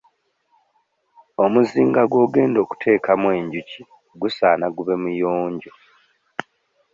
Omuzinga gw'ogenda okuteekamu enjuki gusaana gube muyonjo.